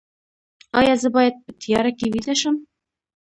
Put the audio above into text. ایا زه باید په تیاره کې ویده شم؟